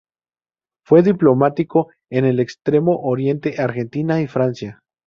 Fue diplomático en el Extremo Oriente, Argentina y Francia.